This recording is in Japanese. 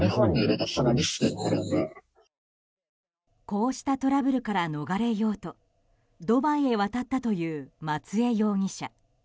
こうしたトラブルから逃れようとドバイへ渡ったという松江容疑者。